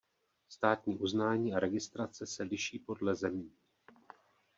Státní uznání a registrace se liší podle zemí.